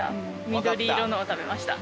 緑色のを食べました。